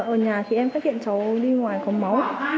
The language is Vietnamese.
ở nhà thì em phát hiện cháu đi ngoài có máu